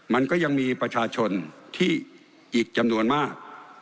มันก็ยังมีประชาชนที่อีกจำนวนมาก